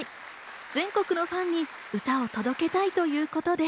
全国のファンに歌を届けたいということです。